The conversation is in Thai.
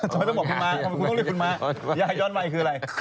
ต้องบอกคุณม้าคุณต้องลืมคุณม้ายาย้อนวัยคืออะไร